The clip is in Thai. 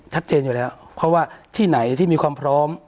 ชัดเจนอยู่แล้วเพราะว่าที่ไหนที่มีความพร้อม